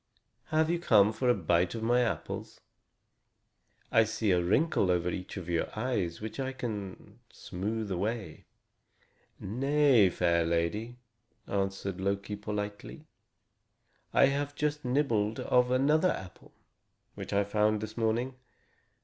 Have you come for a bite of my apples? I see a wrinkle over each of your eyes which I can smooth away." "Nay, fair lady," answered Loki politely, "I have just nibbled of another apple, which I found this morning.